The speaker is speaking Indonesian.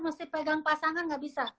mesti pegang pasangan nggak bisa